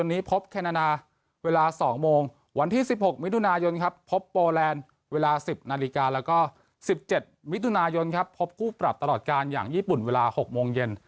วันนี้พบแคนานาเวลา๒โมงวันที่๑๖มิถุนายนครับพบโปแลนด์เวลา๑๐นาฬิกาแล้วก็๑๗มิถุนายนครับพบคู่ปรับตลอดการอย่างญี่ปุ่นเวลา๖โมงเย็น